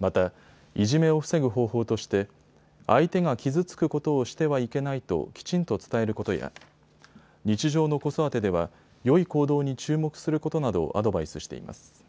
また、いじめを防ぐ方法として相手が傷つくことをしてはいけないときちんと伝えることや日常の子育てではよい行動に注目することなどをアドバイスしています。